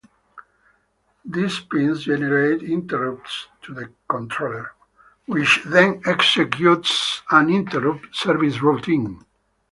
These pins generate interrupts to the controller, which then executes an interrupt service routine.